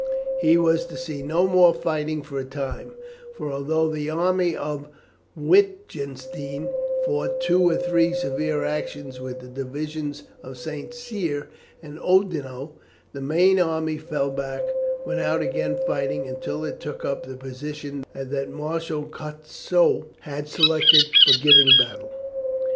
He was to see no more fighting for a time; for, although the army of Wittgenstein fought two or three severe actions with the divisions of St. Cyr and Oudinot, the main army fell back without again fighting until it took up the position that Marshal Kutusow had selected for giving battle.